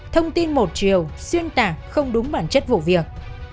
thông tin một triều xuyên tạc không đúng bản chất vụ việc